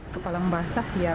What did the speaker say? kepala membasah ya